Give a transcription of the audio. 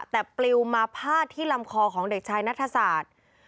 แต่ปลิวมาพาดที่ลำคอของเด็กชายนัทศาสตร์